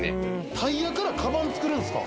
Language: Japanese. タイヤからカバン作るんすか？